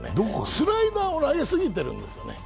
スライダーを投げすぎてるんですよね。